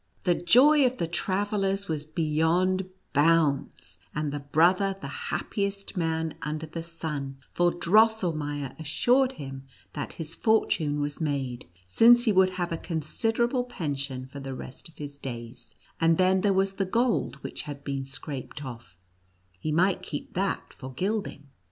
The joy of the travellers was beyond bounds, and the brother the happiest man under the sun, for Drosselmeier assured him that his fortune was made, since he would have a considerable pension for the rest of his clays, and then there was the gold which had been scraped off — he might keep that for gild ing.